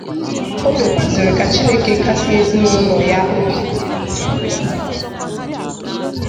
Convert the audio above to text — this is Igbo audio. O kpekwazịrị ka Chineke kasie ezinụlọ ya obi